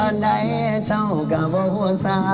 ขอเสียงหน่อย